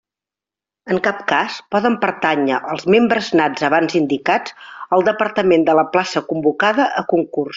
En cap cas poden pertànyer els membres nats abans indicats al departament de la plaça convocada a concurs.